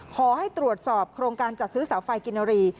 ขอให้ตรวจสอบโครงการจัดซื้อเสาไฟกินรี